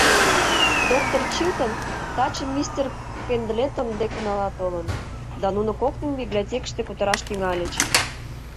Доктыр Чилтон таче мистер Пендлетон дек унала толын, да нуно коктын библиотекыште кутыраш тӱҥальыч.